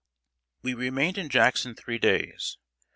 ] We remained in Jackson three days.